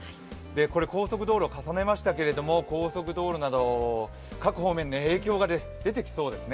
これ高速道路を重ねてみましてけれど高速道路など各方面に影響が出て来そうですね。